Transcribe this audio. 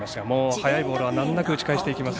速いボールは難なく打ち返していきます。